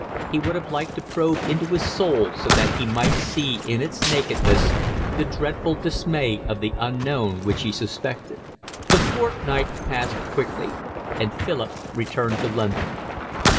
He would have liked to probe into his soul so that he might see in its nakedness the dreadful dismay of the unknown which he suspected. The fortnight passed quickly and Philip returned to London.